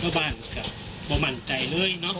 เมื่อบ้านก็ไม่มั่นใจเลยเนอะ